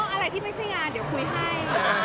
อะไรที่ไม่ใช่งานเดี๋ยวคุยให้